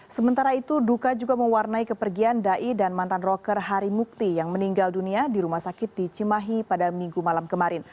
sementara itu duka juga mewarnai kepergian dai dan mantan roker hari mukti yang meninggal dunia di rumah sakit di cimahi pada minggu malam kemarin